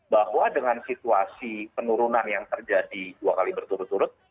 bahwa dengan situasi penurunan yang terjadi dua kali berturut turut